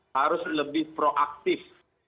harus lebih proaktif